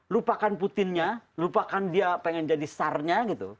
lupakan putinnya lupakan dia pengen jadi star nya gitu